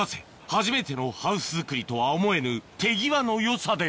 初めてのハウスづくりとは思えぬ手際のよさでＯＫ。